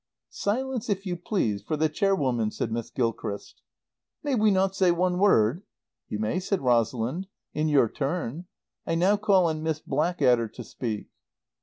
"Silence, if you please, for the Chairwoman," said Miss Gilchrist. "May we not say one word?" "You may," said Rosalind, "in your turn. I now call on Miss Blackadder to speak."